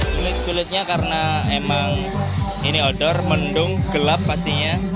sulit sulitnya karena emang ini outdoor mendung gelap pastinya